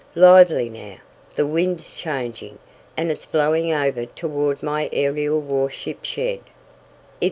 Lively now! The wind's changing, and it's blowing over toward my aerial warship shed.